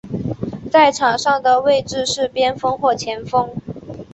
在场上的位置是边锋或前锋。